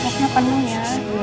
kasnya penuh ya